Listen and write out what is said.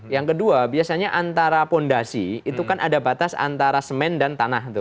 yang kedua biasanya antara fondasi itu kan ada batas antara semen dan tanah tuh